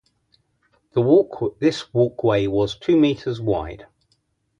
This walkway was two metres wide.